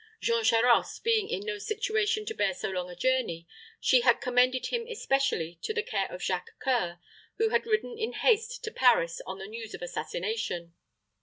Jean Charost, being in no situation to bear so long a journey, she had commended him especially to the care of Jacques C[oe]ur, who had ridden in haste to Paris on the news of assassination.